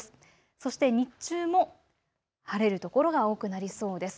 そして日中も晴れる所が多くなりそうです。